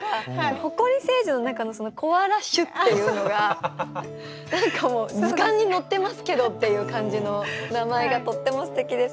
埃星人の中のコアラ種っていうのがもう図鑑に載ってますけどっていう感じの名前がとってもすてきですね。